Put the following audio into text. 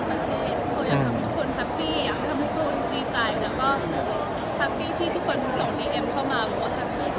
อยากทำให้ทุกคนแฮปปี้อยากทำให้ทุกคนดีใจแล้วก็แฮปปี้ที่ทุกคนส่องดีเอ็มเข้ามาว่าแฮปปี้ที่กงใจ